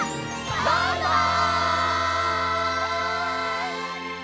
バイバイ！